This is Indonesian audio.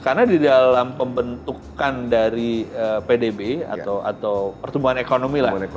karena di dalam pembentukan dari pdb atau pertumbuhan ekonomi lah